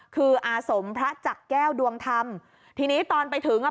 คืออาสมพระจักรแก้วดวงธรรมทีนี้ตอนไปถึงอ่ะ